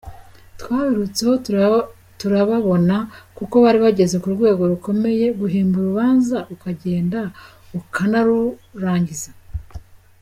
Twabirutseho turababona kuko bari bageze ku rwego rukomeye, guhimba urubanza ukagenda ukanarurangiza!”.